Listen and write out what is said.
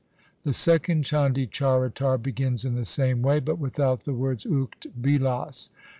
The second Chandi Charitar begins in the same way but without the words ukt bilas.